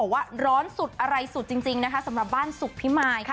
หร้อนสุดอะไรสุดจริงสำหรับบ้านสุกพี่มาย